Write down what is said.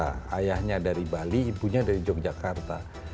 darahnya dari bali ibunya dari yogyakarta